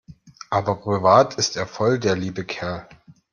Aber privat ist er voll der liebe Kerl.